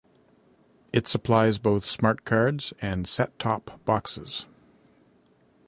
It supplies both smart cards and set-top-boxes.